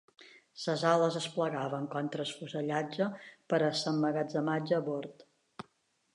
Les ales es plegaven contra el fusellatge per a l'emmagatzematge a bord.